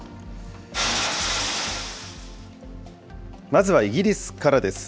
まずはイギリスからです。